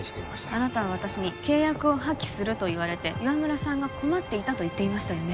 あなたは私に「契約を破棄すると言われて岩村さんが困っていた」と言いましたね